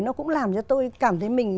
nó cũng làm cho tôi cảm thấy mình